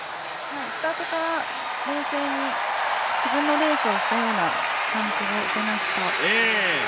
スタートから冷静に自分のレースをしたような感じを受けました。